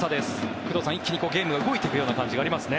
工藤さん、一気にゲームが動いていく感じがありますね。